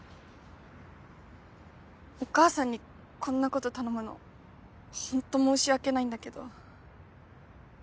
お母さんにこんなこと頼むのホント申し訳ないんだけど。